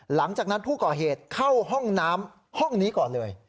หลังจากนั้นผู้ก่อเหตุเข้าห้องน้ำห้องนี้ก่อนเลย